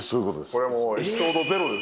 これはエピソード０です。